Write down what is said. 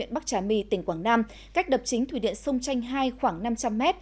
bắc trà my tỉnh quảng nam cách đập chính thủy điện sông chanh hai khoảng năm trăm linh m